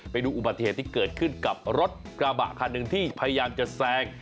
ไปดูอุบัติเหตุที่เกิดขึ้นกับรถกระบะคันหนึ่งที่พยายามจะแซง